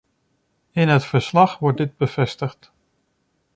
In het verslag wordt dit bevestigd.